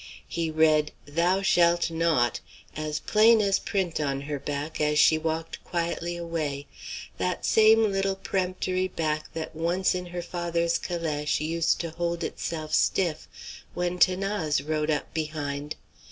He read "thou shalt not" as plain as print on her back as she walked quietly away; that same little peremptory back that once in her father's calèche used to hold itself stiff when 'Thanase rode up behind.